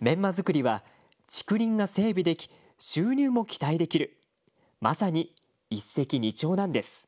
メンマ作りは竹林が整備でき収入も期待できる、まさに一石二鳥なんです。